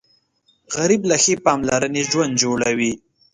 غریب له ښې پاملرنې ژوند جوړوي